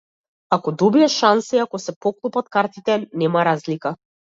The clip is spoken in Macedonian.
Ако добиеш шанса и ако се поклопат картите, нема разлика.